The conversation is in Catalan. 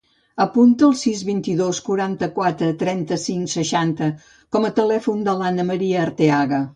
Apunta el sis, vint-i-dos, quaranta-quatre, trenta-cinc, seixanta com a telèfon de l'Ana maria Arteaga.